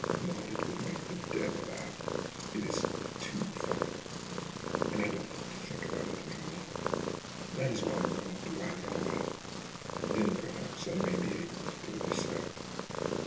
Maud, it would make the dead laugh it is too funny and I don't want to think about it any more. That is why I am going to write it all out. Then perhaps I may be able to put it aside.